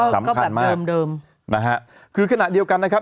ก็แบบเดิมนะครับคือขนาดเดียวกันนะครับ